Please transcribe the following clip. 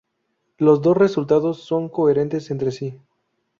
Los dos resultados son coherentes entre sí.